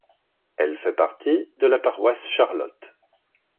Elle fait partie de la Paroisse Charlotte.